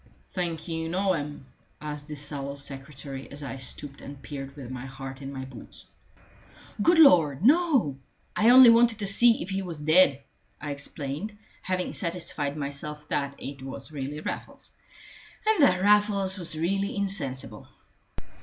"Think you know him?" asked the sallow secretary, as I stooped and peered with my heart in my boots. "Good Lord, no! I only wanted to see if he was dead," I explained, having satisfied myself that it was really Raffles, and that Raffles was really insensible.